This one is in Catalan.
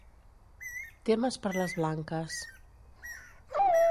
Temes per les blanques: